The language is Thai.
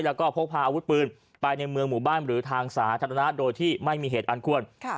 แล้วก็พกพาอาวุธปืนไปในเมืองหมู่บ้านหรือทางสาธารณะโดยที่ไม่มีเหตุอันควร